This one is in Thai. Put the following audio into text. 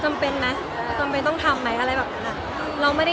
จำเป็นมั้ยจำเป็นต้องทำมั้ยอะไรแบบนี้นะ